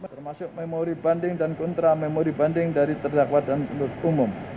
termasuk memori banding dan kontra memori banding dari terdakwa dan penutup umum